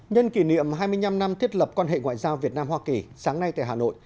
nhân kỷ niệm hai mươi năm năm thiết lập quan hệ ngoại giao việt nam hoa kỳ sáng nay tại hà nội